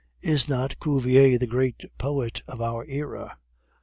Is not Cuvier the great poet of our era?